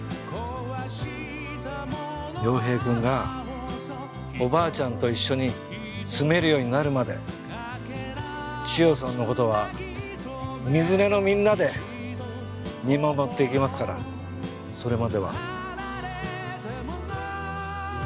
陽平くんがおばあちゃんと一緒に住めるようになるまでチヨさんのことは水根のみんなで見守っていきますからそれまでは。